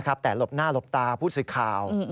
นะครับแต่หลบหน้าหลบตาผู้สิทธิ์ข่าว